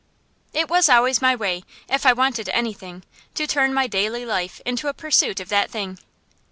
It was always my way, if I wanted anything, to turn my daily life into a pursuit of that thing.